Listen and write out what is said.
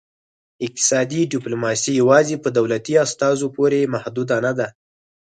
اقتصادي ډیپلوماسي یوازې په دولتي استازو پورې محدوده نه ده